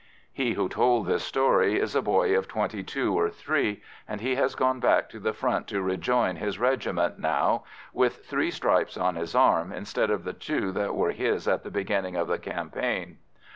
He who told this story is a boy of twenty two or three, and he has gone back to the front to rejoin his regiment, now with three stripes on his arm, instead of the two that were his at the beginning of the campaign.